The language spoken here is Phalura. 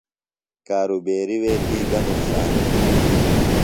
کارُوبیریۡ وے تی گہ نُقصان تِھیلیۡ؟